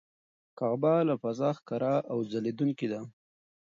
کعبه له فضا ښکاره او ځلېدونکې ده.